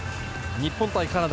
日本対カナダ。